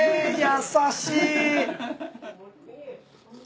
優しい。